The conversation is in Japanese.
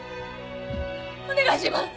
お願いします。